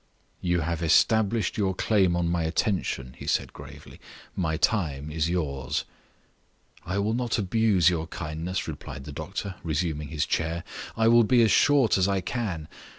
"You have established your claim on my attention," he said, gravely. "My time is yours." "I will not abuse your kindness," replied the doctor, resuming his chair. "I will be as short as I can.